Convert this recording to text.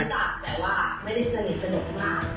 รู้จักแต่ว่าไม่ได้เจาะนีดลงมา